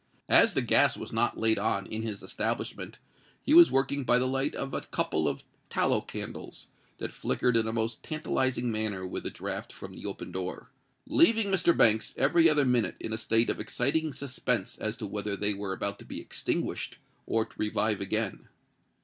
As the gas was not laid on in his establishment, he was working by the light of a couple of tallow candles, that flickered in a most tantalising manner with the draught from the open door—leaving Mr. Banks every other minute in a state of exciting suspense as to whether they were about to be extinguished or to revive again.